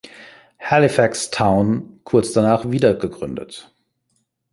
Halifax Town" kurz danach wiedergegründet.